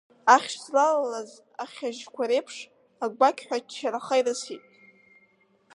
Ахьшь злалаз ахьажьқәа реиԥш агәақьҳәа ччараха ирысит.